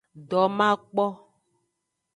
Domakpo.